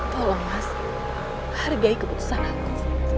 tolong mas hargai keputusan aku